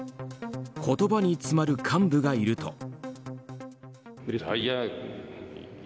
言葉に詰まる幹部がいると。